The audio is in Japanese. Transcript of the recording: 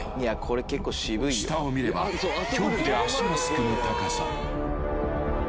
［下を見れば恐怖で足がすくむ高さ］